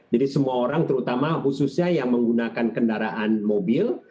jadi semua orang terutama khususnya yang menggunakan kendaraan mobil